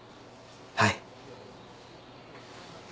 はい。